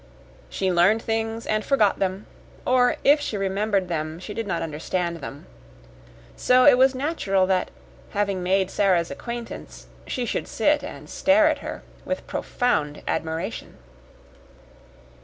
She learned things and forgot them; or, if she remembered them, she did not understand them. So it was natural that, having made Sara's acquaintance, she should sit and stare at her with profound admiration.